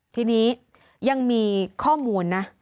ทีนี้ยังมีข้อมูลนะ